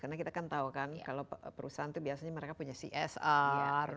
karena kita kan tahu kan kalau perusahaan itu biasanya mereka punya csr